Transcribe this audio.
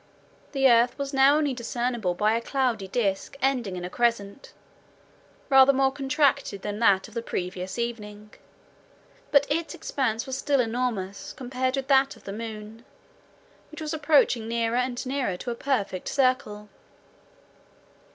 The earth was now only discernible by a cloudy disc ending in a crescent, rather more contracted than that of the previous evening; but its expanse was still enormous, compared with that of the moon, which was approaching nearer and nearer to a perfect circle.